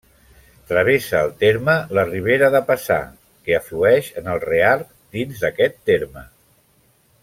Travessa el terme la Ribera de Paçà, que aflueix en el Reart dins d'aquest terme.